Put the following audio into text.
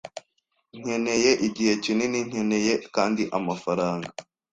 Nkeneye igihe kinini. Nkeneye kandi amafaranga.